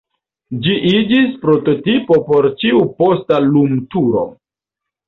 Ĝi iĝis prototipo por ĉiu posta lumturo.